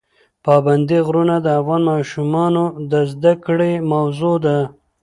پابندي غرونه د افغان ماشومانو د زده کړې موضوع ده.